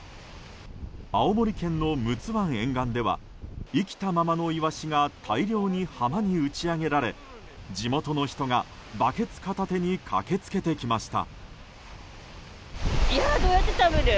青森県の陸奥湾沿岸では生きたままのイワシが大量に浜に打ち上げられ地元の人がバケツ片手に駆けつけてきました。